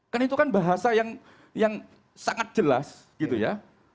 kan itu kan bahasa yang sangat jelas gitu ya